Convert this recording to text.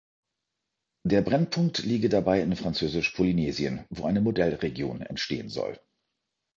Der Brennpunkt liege dabei in Französisch-Polynesien, wo eine Modellregion entstehen soll.